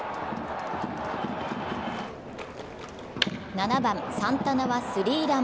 ７番・サンタナはスリーラン。